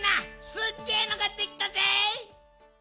すっげえのができたぜ！